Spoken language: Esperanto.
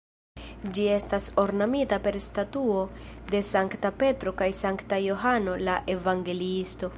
Ĝi estas ornamita per statuoj de Sankta Petro kaj Sankta Johano la Evangeliisto.